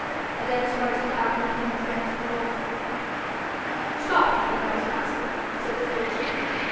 A dense white cloud met them as they entered the vault. 'Stopped for the night, Caspar?' said his lordship.